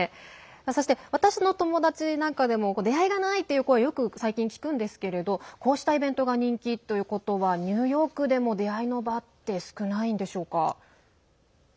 そして、私の友達なんかでも出会いがないという声はよく最近、聞くんですけどもこうしたイベントがあるってことはニューヨークでも出会いの場って少ないんでしょうか？